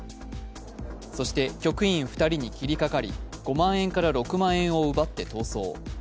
そして、局員２人に切りかかり、５万円から６万円を奪って逃走。